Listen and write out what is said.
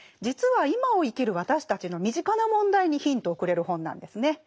実は今を生きる私たちの身近な問題にヒントをくれる本なんですね。